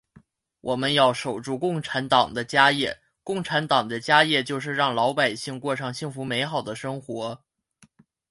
我们要守住共产党的家业，共产党的家业就是让老百姓过上幸福美好的生活。